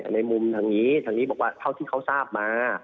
ในมุมทางนี้ทั้งนี้โทษที่เค้าทราบมา